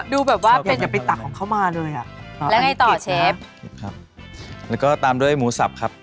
ดูแบบว่าเป็นอย่าไปตักของเขามาเลยอ่ะแล้วไงต่อเชฟครับแล้วก็ตามด้วยหมูสับครับ